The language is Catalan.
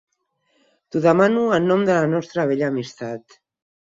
T'ho demano en nom de la nostra vella amistat.